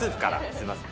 すみません。